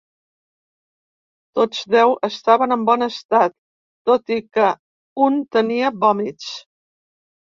Tots deu estaven en bon estat, tot i que un tenia vòmits.